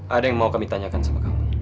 ada yang mau kami tanyakan sama kamu